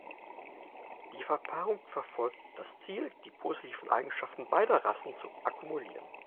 Die Verpaarung verfolgt das Ziel, die positiven Eigenschaften beider Rassen zu akkumulieren.